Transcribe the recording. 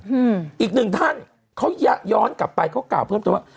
อืมอีกหนึ่งท่านเขาย้อนกลับไปเขากล่าวเพิ่มเติมว่า